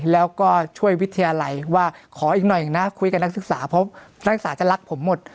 แล้วก็ช่วยวิทยาลัยว่าขออีกหน่อยนะคุยกับนักศึกษาเพราะนักศึกษาจะรักผมหมด